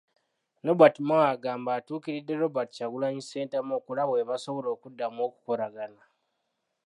Nobert Mao agamba atuukiridde Robert Kyagulanyi Ssentamu okulaba bwe basobola okuddamu okukolagana.